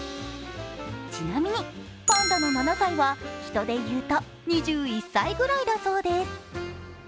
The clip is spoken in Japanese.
ちなみにパンダの７歳は人で言うと２１歳ぐらいだそうです。